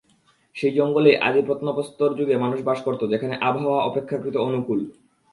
সেই জঙ্গলেই আদি প্রত্নপ্রস্তরযুগে মানুষ বাস করত যেখানকার আবহাওয়া অপেক্ষাকৃত অনুকূল।